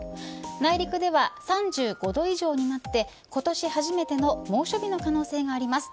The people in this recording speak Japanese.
内陸では３５度以上になって今年初めての猛暑日の可能性があります。